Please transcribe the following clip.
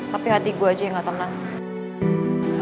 tapi hati gue aja yang gak tenang